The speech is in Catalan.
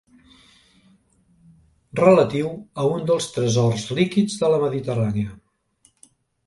Relatiu a un dels tresors líquids de la Mediterrània.